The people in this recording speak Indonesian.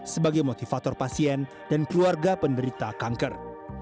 sebagai motivator pasien dan keluarga penderita kanker